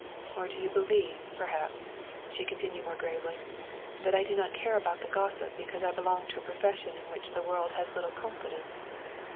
Or do you believe, perhaps," she continued more gravely, " that I do not care about the gossip because I belong to a profession in which the world has little confidence?